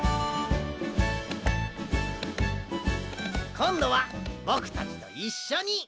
こんどはぼくたちといっしょに！